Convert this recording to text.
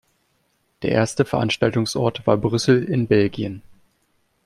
Der erste Veranstaltungsort war Brüssel in Belgien.